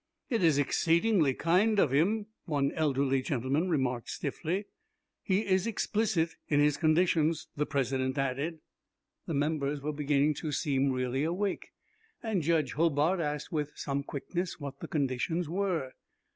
"It is exceedingly kind of him," one elderly gentleman remarked stiffly. "He is explicit in his conditions," the President added. The members were beginning to seem really awake, and Judge Hobart asked with some quickness what the conditions were.